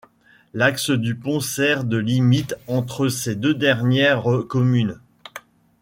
L'axe du pont sert de limite entre ces deux dernières communes.